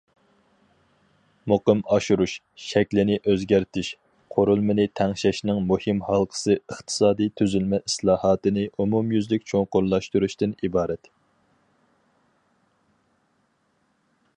مۇقىم ئاشۇرۇش، شەكلىنى ئۆزگەرتىش، قۇرۇلمىنى تەڭشەشنىڭ مۇھىم ھالقىسى ئىقتىسادىي تۈزۈلمە ئىسلاھاتىنى ئومۇميۈزلۈك چوڭقۇرلاشتۇرۇشتىن ئىبارەت.